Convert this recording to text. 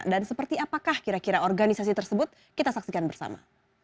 dan seperti apakah kira kira organisasi tersebut kita saksikan bersama